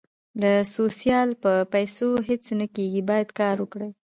د سوسیال په پېسو هیڅ نه کېږي باید کار وکړو